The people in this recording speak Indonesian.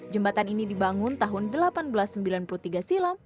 jembatan ini dibangun tahun seribu delapan ratus sembilan puluh tiga silam